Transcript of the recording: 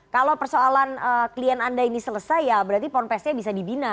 kalau persoalan klien anda ini selesai ya berarti ponpesnya bisa dibina